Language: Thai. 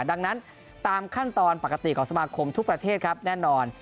ดังนั้นตามขั้นตอนปกติของสมาคมทุกประเทศครับแน่นอน